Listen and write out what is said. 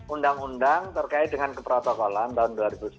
undang undang terkait dengan keprotokolan tahun dua ribu sepuluh